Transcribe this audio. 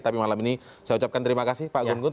tapi malam ini saya ucapkan terima kasih pak gun gun